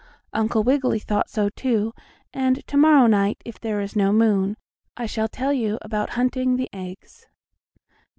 Uncle Wiggily thought so, too, and to morrow night, if there is no moon, I shall tell you about hunting the eggs.